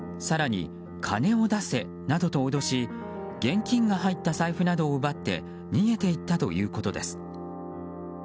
更に、金を出せなどと脅し現金が入った財布などを奪って逃げていったということです。